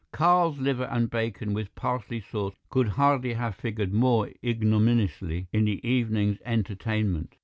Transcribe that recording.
Calves' liver and bacon, with parsley sauce, could hardly have figured more ignominiously in the evening's entertainment.